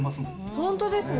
本当ですね。